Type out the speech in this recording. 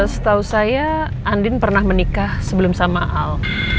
setahu saya andin pernah menikah sebelum sama al